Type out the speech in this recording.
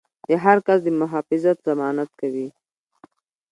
د هر کس د محافظت ضمانت کوي.